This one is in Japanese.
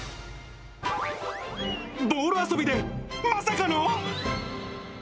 ボール遊びでまさかの？